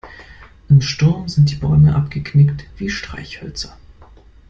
Im Sturm sind die Bäume abgeknickt wie Streichhölzer.